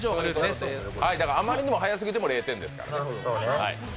あまりにも早すぎても０点ですからね。